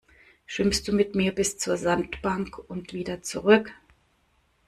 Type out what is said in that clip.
Schwimmst du mit mir bis zur Sandbank und wieder zurück?